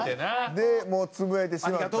でもうつぶやいてしまった。